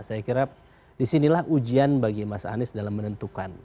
saya kira disinilah ujian bagi mas anies dalam menentukan